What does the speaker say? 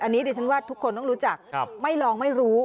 อันนี้ดิฉันว่าทุกคนต้องรู้จักไม่ลองไม่รู้